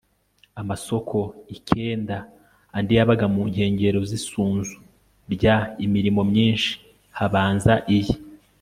amasoko ikenda andi yabaga mu nkengero z isunzu rya imirimo myinshi Habanza iyi